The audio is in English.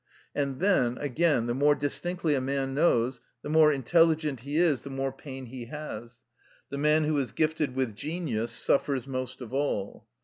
And then, again, the more distinctly a man knows, the more intelligent he is, the more pain he has; the man who is gifted with genius suffers most of all.